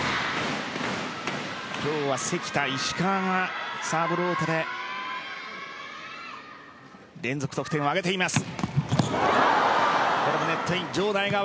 今日は関田、石川がサーブローテで連続得点を挙げています。